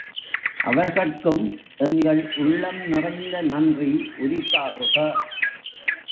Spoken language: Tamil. அவர்கட்கும் எங்கள் உள்ளம் நிறைந்த நன்றி உரித்தாகுக.